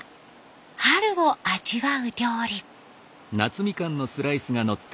春を味わう料理。